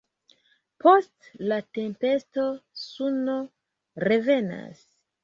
Post la tempesto, suno revenas.